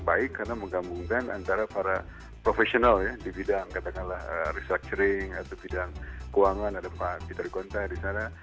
baik karena menggabungkan antara para profesional ya di bidang katakanlah restructuring atau bidang keuangan ada pak peter gonta di sana